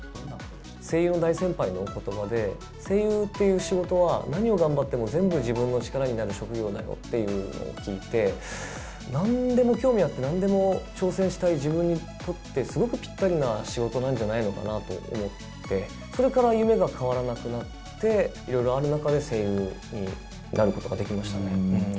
声優の大先輩のおことばで、声優という仕事は、何を頑張っても全部自分の力になる職業だよっていうのを聞いて、なんでも興味あって、なんでも挑戦したい自分にとって、すごくぴったりな仕事なんじゃないのかなと思って、それから夢が変わらなくなって、いろいろある中で声優になることができましたね。